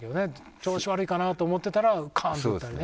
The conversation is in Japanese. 調子悪いかなと思ってたらカーンと打ったりね。